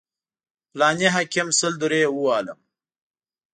فلاني حاکم سل درې ووهلم.